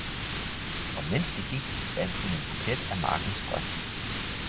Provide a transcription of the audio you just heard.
og medens de gik, bandt hun en buket af markens grønt.